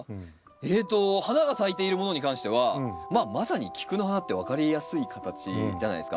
えと花が咲いているものに関してはまあまさにキクの花って分かりやすい形じゃないですか。